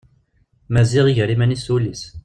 Maziɣ iger iman-is s wul-is.